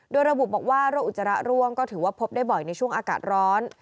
โดยระบุบอกว่าโรคอุจจาระร่วงก็ถือว่าพบได้บ่อยในช่วงอากาศร้อน